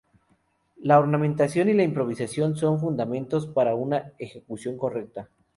La ornamentación y la improvisación son fundamentales para una ejecución correcta.